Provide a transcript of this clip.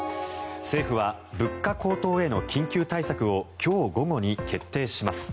政府は物価高騰への緊急対策を今日午後に決定します。